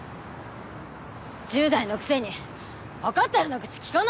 １０代のくせに分かったような口利かないでよ